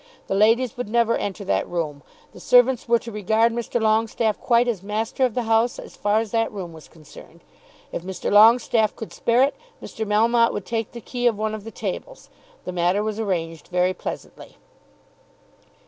The ladies would never enter that room. The servants were to regard Mr. Longestaffe quite as master of the house as far as that room was concerned. If Mr. Longestaffe could spare it, Mr. Melmotte would take the key of one of the tables. The matter was arranged very pleasantly.